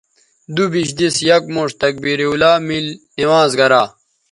دوبیش دِس یک موݜ تکبیر اولیٰ میل نماز گرا